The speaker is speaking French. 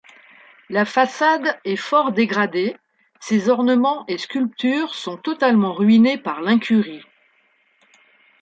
La façade est fort dégradée, ses ornements et sculptures sont totalement ruinées par l'incurie.